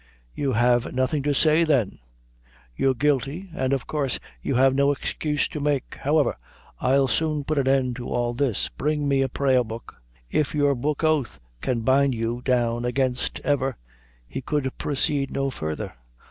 "You have nothing to say, then? You're guilty, an' of coorse you have no excuse to make; however, I'll soon put an end to all this. Bring me a prayerbook. If your book oath can bind you down against ever " He could proceed no further.